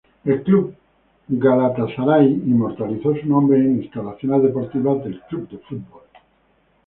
El club Galatasaray inmortalizó su nombre en instalaciones deportivas del club de fútbol.